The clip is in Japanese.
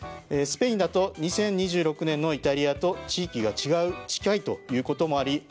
スペインだと２０２６年のイタリアと地域が近いということもあり